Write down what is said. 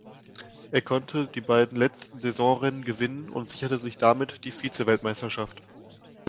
Er konnte die beiden letzten Saisonrennen gewinnen und sicherte sich damit die Vize-Weltmeisterschaft.